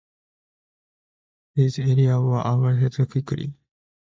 These areas were urbanized quickly.